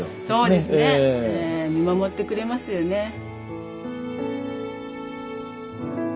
そうですね。見守ってくれますよね。